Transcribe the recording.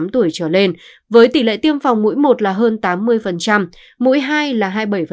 tám tuổi trở lên với tỷ lệ tiêm phòng mũi một là hơn tám mươi mũi hai là hai mươi bảy